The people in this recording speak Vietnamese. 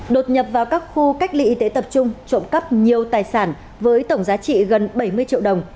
đột nhập vào các khu cách ly y tế tập trung trộm cắp nhiều tài sản với tổng giá trị gần bảy mươi triệu đồng